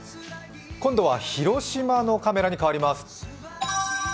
今度は広島のカメラに変わります。